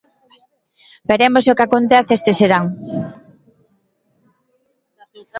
Veremos o que acontece este serán.